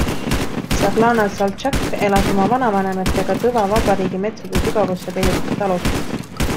Saglana Saltšak elas oma vanavanematega Tõva Vabariigi metsade sügavusse peidetud talus.